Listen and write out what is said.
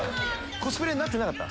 コスプレになってなかった？